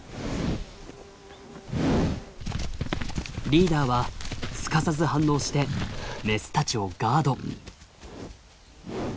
リーダーはすかさず反応してメスたちをガード。